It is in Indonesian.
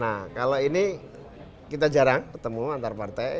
nah kalau ini kita jarang ketemu antar partai